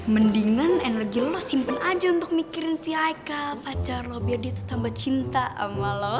mendingan energi lo simpen aja untuk mikirin si ika pacar lo biar dia tuh tambah cinta sama lo